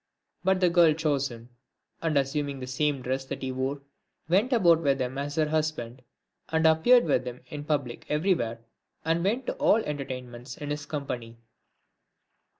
But the girl chose him ; and assuming the same dress that he wore, went about with him as her husband, and appeared with him in public everywhere, and went to all entertainments in his company.